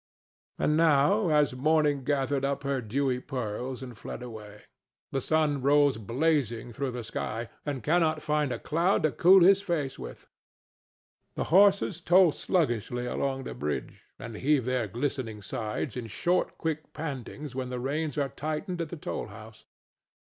And now has Morning gathered up her dewy pearls and fled away. The sun rolls blazing through the sky, and cannot find a cloud to cool his face with. The horses toil sluggishly along the bridge, and heave their glistening sides in short quick pantings when the reins are tightened at the toll house.